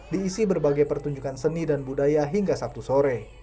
diisi berbagai pertunjukan seni dan budaya hingga sabtu sore